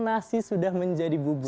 nasi sudah menjadi bubur